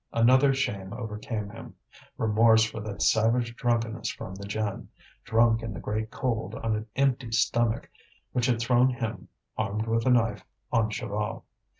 Another shame overcame him: remorse for that savage drunkenness from the gin, drunk in the great cold on an empty stomach, which had thrown him, armed with a knife, on Chaval.